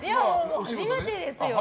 初めてですよ。